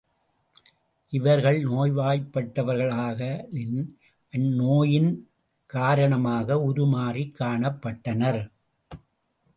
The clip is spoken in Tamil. இவர்கள் நோய்வாய்ப்பட்டவர்களாதலின், அந்நோயின் காரணமாக உருமாறிக் காணப்பட்டனர்.